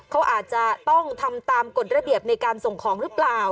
เขาอาจจะต้องทำตามกฎระเบียบในการส่งของหรือเปล่า